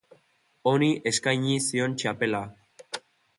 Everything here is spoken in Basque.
Honi eskaini zion txapela.